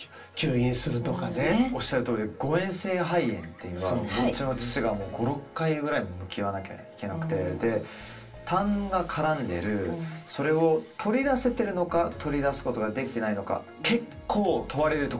おっしゃるとおりで誤えん性肺炎っていうのはうちの父が５６回ぐらいも向き合わなきゃいけなくてたんがからんでるそれを取り出せてるのか取り出すことができてないのか結構問われるところですよね。